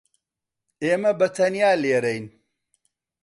ئێمە بەتەنیا لێرەین.